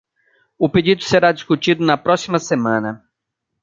O pedido será discutido na próxima semana.